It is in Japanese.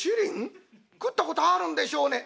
食ったことあるんでしょうね」。